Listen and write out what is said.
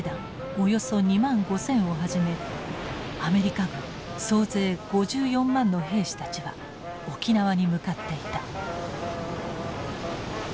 およそ２万５，０００をはじめアメリカ軍総勢５４万の兵士たちは沖縄に向かっていた。